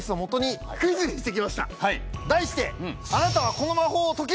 題して。